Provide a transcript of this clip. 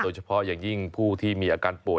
เฉพาะอย่างยิ่งผู้ที่มีอาการป่วย